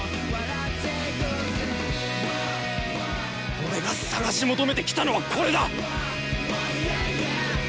俺が探し求めてきたのはこれだ！